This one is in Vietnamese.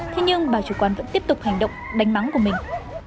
thế nhưng bà chủ quán vẫn tiếp tục hành động đánh bắn của mình